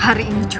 hari ini juga